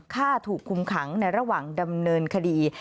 ฆ่าถูกคุมขังในระหว่างดำเนินคดี